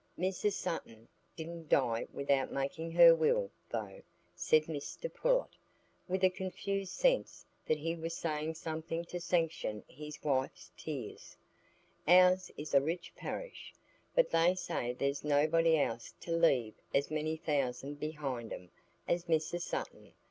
"Mrs Sutton didn't die without making her will, though," said Mr Pullet, with a confused sense that he was saying something to sanction his wife's tears; "ours is a rich parish, but they say there's nobody else to leave as many thousands behind 'em as Mrs Sutton.